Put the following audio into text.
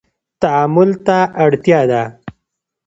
تعامل ته اړتیا ده